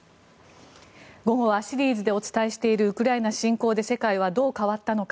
午後はシリーズでお伝えしているウクライナ侵攻で世界はどう変わったのか。